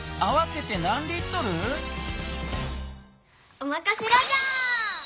おまかせラジャー！